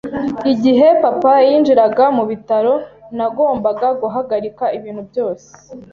Igihe papa yinjiraga mu bitaro, nagombaga guhagarika ibintu byose.